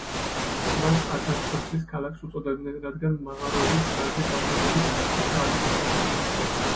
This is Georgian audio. მას „ათასი ცეცხლის ქალაქს“ უწოდებდნენ, რადგან მაღაროების გაზი ღამღამობით კაშკაშა ალით იწვოდა.